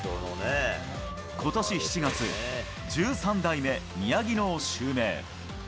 ことし７月、１３代目宮城野を襲名。